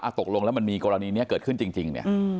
อ่ะตกลงแล้วมันมีกรณีนี้เกิดขึ้นจริง